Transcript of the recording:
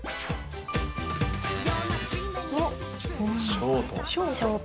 おっショート。